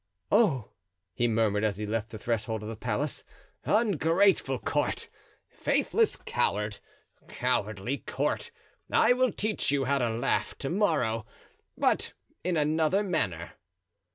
"Oh!" he murmured, as he left the threshold of the palace: "ungrateful court! faithless court! cowardly court! I will teach you how to laugh to morrow—but in another manner."